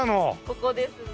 ここですね。